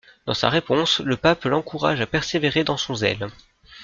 Dans sa réponse, le pape l'encourage à persévérer dans son zèle.